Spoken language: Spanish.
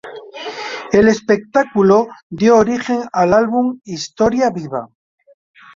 El espectáculo dio origen al álbum "Historia viva".